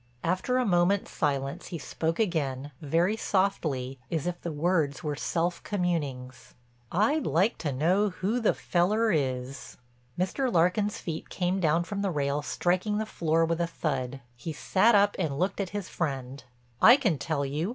After a moment's silence he spoke again, very softly, as if the words were self communings: "I'd like to know who the feller is." Mr. Larkin's feet came down from the rail striking the floor with a thud. He sat up and looked at his friend: "I can tell you.